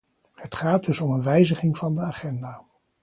Het gaat dus om een wijziging van de agenda.